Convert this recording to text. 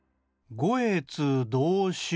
「ごえつどうしゅう」。